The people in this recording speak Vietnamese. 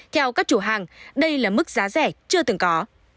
theo các chủ hàng đây là mức giá rẻ chưa từng có